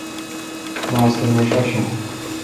ماستہ میݭ آݭوں۔